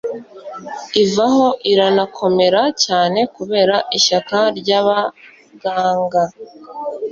ivaho iranakomera cyane kubera ishyaka ryaBArangaga